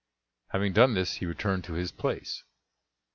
Having done this he returned to his place.